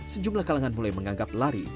sejumlah kalangan mulai menganggap lari